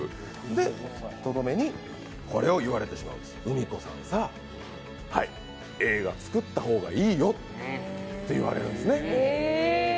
で、とどめにこれを言われてしまううみ子さん、さぁ、映画作ったほうがいいよって言われるんですね。